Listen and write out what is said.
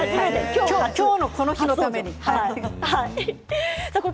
今日のこの日のために。